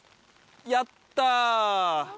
やった！え！